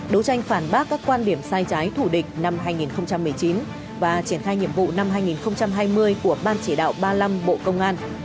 đấu tranh phản bác các quan điểm sai trái thủ địch năm hai nghìn một mươi chín và triển khai nhiệm vụ năm hai nghìn hai mươi của ban chỉ đạo ba mươi năm bộ công an